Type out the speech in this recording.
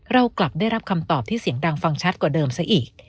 เรากลับได้รับคำตอบที่เสียงดังฟังชัดกว่าเดิมซะอีก